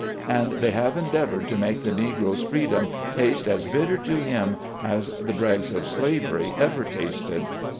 And they have endeavored to make the Negro's freedom taste as bitter to him as the dregs of slavery ever tasted.